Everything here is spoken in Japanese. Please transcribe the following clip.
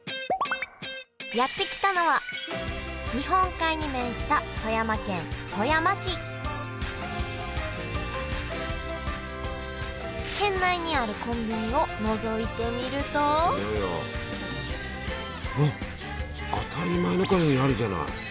やって来たのは日本海に面した富山県富山市県内にあるコンビニをのぞいてみるとあっ当たり前みたいにあるじゃない。